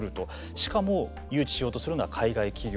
しかも、誘致しようとするのは海外企業。